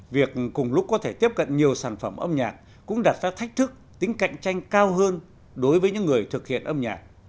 việc cùng lúc có thể tiếp cận nhiều sản phẩm âm nhạc cũng đặt ra thách thức tính cạnh tranh cao hơn đối với những người thực hiện âm nhạc